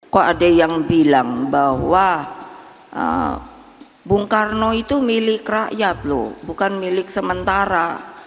kok ada yang bilang bahwa bung karno itu milik rakyat loh bukan milik sementara